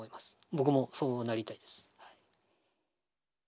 僕もそうなりたいです。